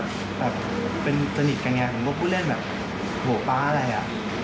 แบบเป็นสนิทกันไงผมก็พูดเล่นแบบหัวป๊าอะไรอ่ะ